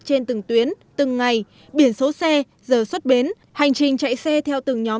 trên từng tuyến từng ngày biển số xe giờ xuất bến hành trình chạy xe theo từng nhóm